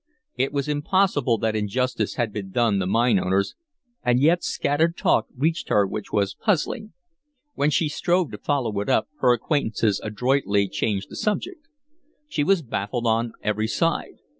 It was impossible that injustice had been done the mine owners, and yet scattered talk reached her which was puzzling. When she strove to follow it up, her acquaintances adroitly changed the subject. She was baffled on every side.